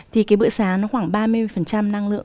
thì cái bữa sáng nó khoảng ba mươi năng lượng